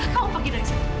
kamu pergi dari sini